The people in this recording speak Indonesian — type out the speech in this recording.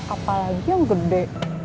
apalagi yang gede